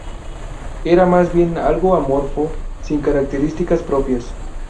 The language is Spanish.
Era más bien algo amorfo, sin características propias.